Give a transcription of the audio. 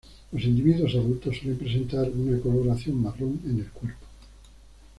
Los individuos adultos suelen presentar una coloración marrón en el cuerpo.